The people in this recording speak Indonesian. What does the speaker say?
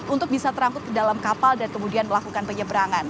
untuk bisa terangkut ke dalam kapal dan kemudian melakukan penyeberangan